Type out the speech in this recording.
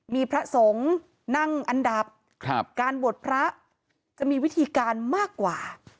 มีพระสงฆ์นั่งอันดับการบวชพระจะมีวิธีการมากกว่า